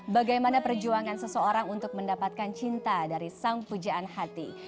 bagaimana perjuangan seseorang untuk mendapatkan cinta dari sang pujaan hati